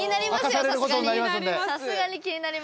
さすがにさすがに気になります。